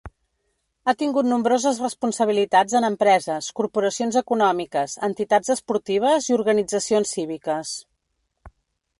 Ha tingut nombroses responsabilitats en empreses, corporacions econòmiques, entitats esportives i organitzacions cíviques.